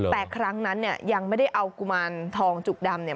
แต่ครั้งนั้นเนี่ยยังไม่ได้เอากุมารทองจุกดำเนี่ย